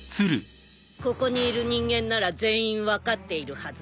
ここにいる人間なら全員分かっているはずだよ？